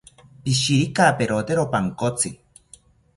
Pishirikaperotero pankotzi